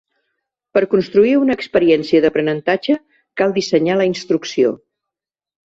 Per a construir una experiència d'aprenentatge cal dissenyar la instrucció.